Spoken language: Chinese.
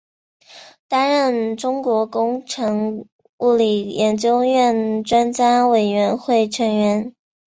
担任中国工程物理研究院专家委员会成员。